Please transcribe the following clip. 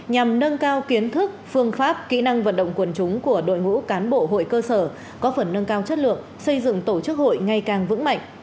nhằm nâng cao kiến thức phương pháp kỹ năng vận động quần chúng của đội ngũ cán bộ hội cơ sở có phần nâng cao chất lượng xây dựng tổ chức hội ngày càng vững mạnh